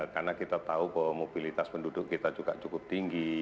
karena kita tahu bahwa mobilitas penduduk kita juga cukup tinggi